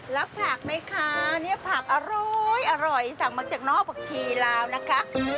รับผักไหมคะเนี่ยผักอร้อยสั่งมาจากนอกผักชีลาวนะคะ